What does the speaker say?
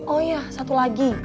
oh iya satu lagi